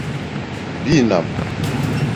Bînàm.